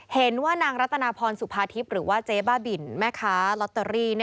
เห็นว่านางรัตนาพรสุภาทิพย์หรือว่าเจ๊บ้าบินแม่ค้าลอตเตอรี่